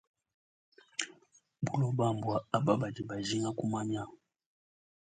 Buloba mbua aba badi bajinga kumanya.